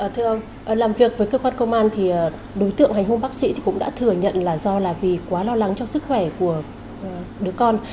thưa ông làm việc với cơ quan công an thì đối tượng hành hung bác sĩ cũng đã thừa nhận là do là vì quá lo lắng cho sức khỏe của đứa con